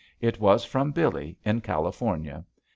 It was from Billee in California.